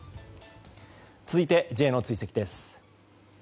続いて、Ｊの追跡です。